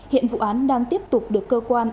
hiện vụ án đang tiếp tục được cơ quan